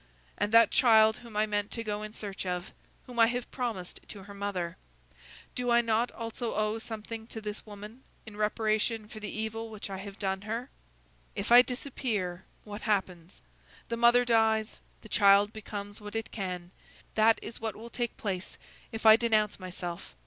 And that child whom I meant to go in search of, whom I have promised to her mother; do I not also owe something to this woman, in reparation for the evil which I have done her? If I disappear, what happens? The mother dies; the child becomes what it can; that is what will take place, if I denounce myself.